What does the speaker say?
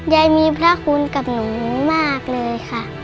ยายมีพระคุณกับหนูมากเลยค่ะ